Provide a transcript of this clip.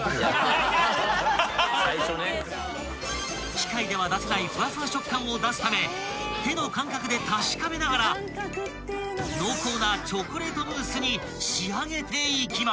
［機械では出せないふわふわ食感を出すため手の感覚で確かめながら濃厚なチョコレートムースに仕上げていきます］